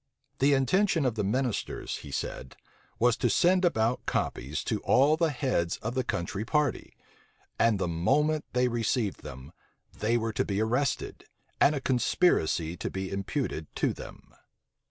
The intention of the ministers, he said, was to send about copies to all the heads of the country party; and the moment they received them, they were to be arrested, and a conspiracy to be imputed to them.